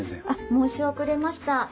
申し遅れました。